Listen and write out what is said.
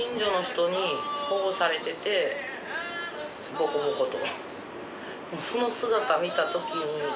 ボコボコと。